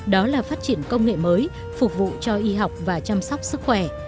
đó là phát triển công nghệ mới phục vụ cho y học và chăm sóc sức khỏe